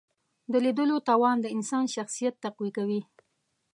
د لیدلو توان د انسان شخصیت تقویه کوي